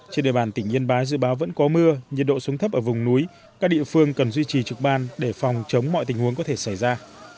trên địa bàn tỉnh yên bái dự báo vẫn có mưa nhiệt độ xuống thấp ở vùng núi các địa phương cần duy trì trực ban để phòng chống mọi tình huống có thể xảy ra